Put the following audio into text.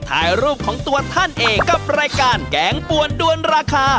ถ่ายรูปของตัวท่านเองกับรายการแกงปวนด้วนราคา